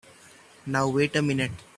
Now wait a minute!